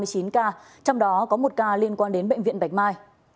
trong đó có một ca liên quan đến bệnh viện bạch mai